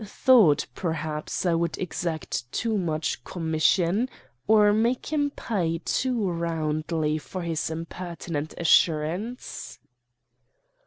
'Thought, perhaps, I would exact too much commission; or make him pay too roundly for his impertinent assurance.